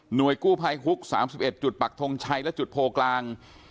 หน่วยกู้ไพคุกสามสิบเอ็ดจุดปักทงชัยและจุดโพลกลาง